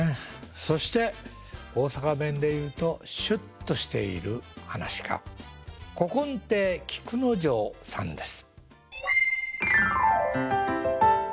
そして大阪弁で言うとシュッとしている噺家古今亭菊之丞さんです。